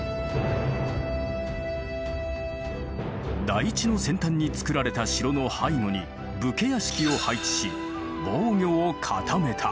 台地の先端に造られた城の背後に武家屋敷を配置し防御を固めた。